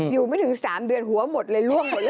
อยู่ไม่ถึง๓เดือนหัวหมดและร่วมหมด